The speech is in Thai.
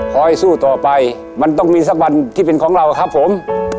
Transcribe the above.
ขอให้สู้ต่อไปมันต้องมีสักวันที่เป็นของเราครับผม